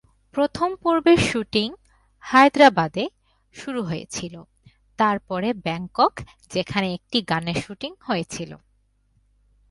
প্রথম পর্বের শুটিং হায়দরাবাদে শুরু হয়েছিল, তার পরে ব্যাংকক, যেখানে একটি গানের শুটিং হয়েছিল।